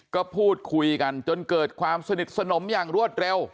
ก็พูดคุยกันจนเกิดความสนิทสนมอย่างรวดเร็ว